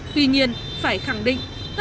tuy nhiên phải khẳng định